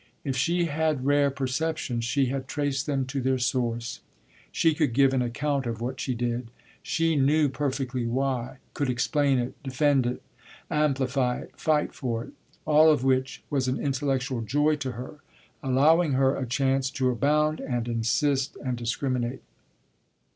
If she had rare perceptions she had traced them to their source; she could give an account of what she did; she knew perfectly why, could explain it, defend it, amplify it, fight for it: all of which was an intellectual joy to her, allowing her a chance to abound and insist and discriminate.